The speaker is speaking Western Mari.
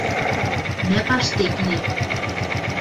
Мӓ паштекнӓ